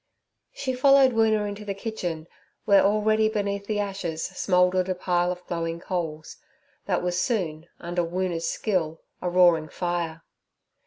She followed Woona into the kitchen, where already beneath the ashes smouldered a pile of glowing coals, that was soon, under Woona's skill, a roaring fire.